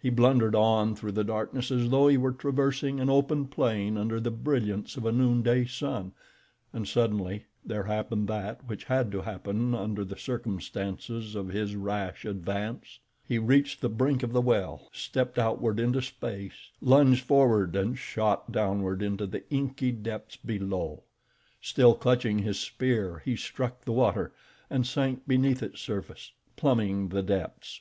He blundered on through the darkness as though he were traversing an open plain under the brilliance of a noonday sun, and suddenly there happened that which had to happen under the circumstances of his rash advance. He reached the brink of the well, stepped outward into space, lunged forward, and shot downward into the inky depths below. Still clutching his spear, he struck the water, and sank beneath its surface, plumbing the depths.